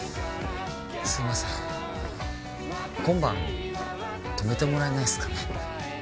すいません今晩泊めてもらえないっすかね？